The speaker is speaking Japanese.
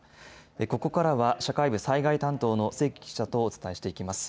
ここからは社会部災害担当の清木記者とお伝えしていきます。